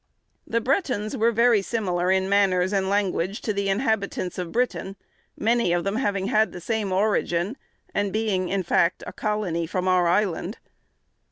The Bretons were very similar in manners and language to the inhabitants of Britain, many of them having had the same origin, and being, in fact, a colony from our island.